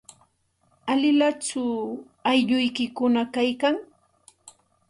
¿Alilachu aylluykikuna kaykan?